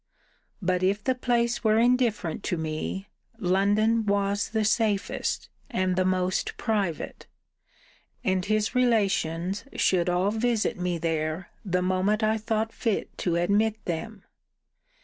But, if the place were indifferent to me, London was the safest, and the most private: and his relations should all visit me there, the moment I thought fit to admit them.